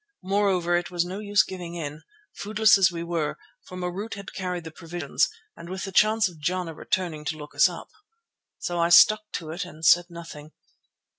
Moreover, it was no use giving in, foodless as we were, for Marût had carried the provisions, and with the chance of Jana returning to look us up. So I stuck to it and said nothing.